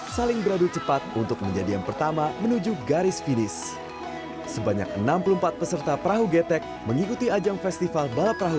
selain itu festival dibuat sebagai bentuk edukasi kepada warga agar turut serta menjaga kebersihan sungai